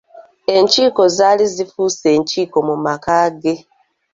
Enkiiko zaali zifuuse enkiiko mu maka ge.